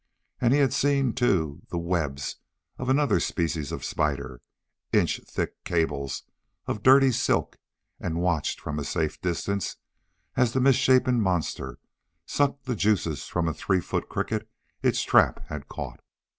And he had seen, too, the webs of another species of spider inch thick cables of dirty silk and watched from a safe distance as the misshapen monster sucked the juices from a three foot cricket its trap had caught.